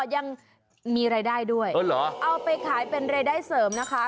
ยังมีรายได้ด้วยเอาไปขายเป็นรายได้เสริมนะคะ